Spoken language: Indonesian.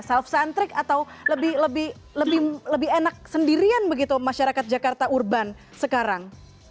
self centric atau lebih enak sendirian begitu masyarakat jakarta urban sekarang